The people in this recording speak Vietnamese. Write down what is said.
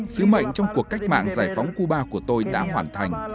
sứ mệnh trong cuộc cách mạng giải phóng cuba của tôi đã hoàn thành